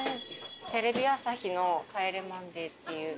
テレビ朝日の『帰れマンデー』っていう。